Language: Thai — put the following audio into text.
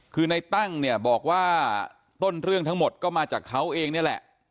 คือในตั้งเนี่ยบอกว่าต้นเรื่องทั้งหมดก็มาจากเขาเองนี่แหละ